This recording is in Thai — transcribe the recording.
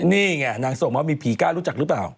นี่ไงนางส่งว่ามีผีกล้ารู้จักหรือเปล่า